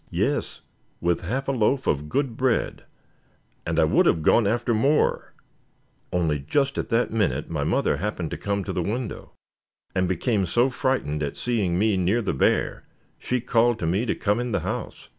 "Yes, with half a loaf of good bread; and I would have gone after more only just at that minute my mother happened to come to the window, and became so frightened at seeing me near the bear, she called to me to come in the house.